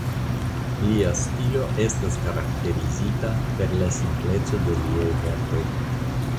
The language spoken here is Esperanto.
Lia stilo estas karakterizita per la simpleco de liaj verkoj.